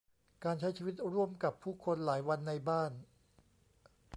การใช้ชีวิตร่วมกับผู้คนหลายวันในบ้าน